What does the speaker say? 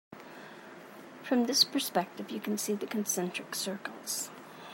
From this perspective you can see the concentric circles.